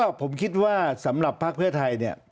ก็ผมคิดว่าสำหรับภักดิ์เพื่อไทยเนี่ย